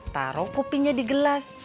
taruh kopinya di gelas